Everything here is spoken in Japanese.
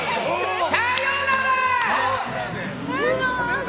さようなら！